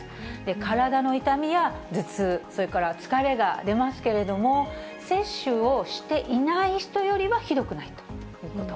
体の痛みや頭痛、それから疲れが出ますけれども、接種をしていない人よりはひどくないということ。